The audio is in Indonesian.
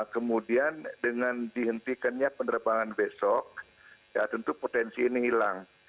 kemudian dengan dihentikannya penerbangan besok ya tentu potensi ini hilang